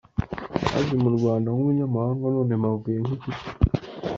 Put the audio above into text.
Naje mu Rwanda nk’umunyamahanga none mpavuye nk’inshuti.